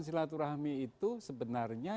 silaturahmi itu sebenarnya